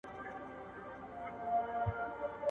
د هغې د ژوند خوب